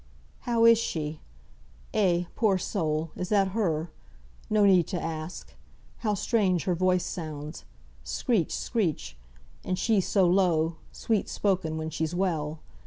"How is she? Eh! poor soul! is that her! no need to ask! How strange her voice sounds! Screech! screech! and she so low, sweet spoken, when she's well!